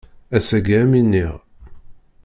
Ass-agi ad am-iniɣ.